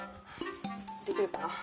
できるかな？